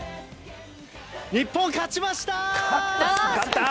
日本勝ちました！